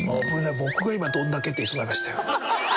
僕が今「どんだけ」って世い修Δなりましたよ。